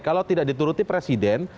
kalau tidak dituruti presiden